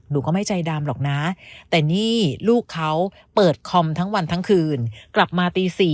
หนูก็ไม่ใจดำหรอกนะแต่นี่ลูกเขาเปิดคอมทั้งวันทั้งคืนกลับมาตี๔